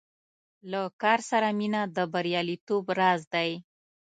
له کار سره مینه د بریالیتوب راز دی.